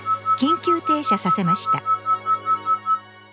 「緊急停車させました」。